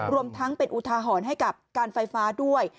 รวมทั้งเป็นอุทาหรณ์ให้กับการไฟฟ้าด้วย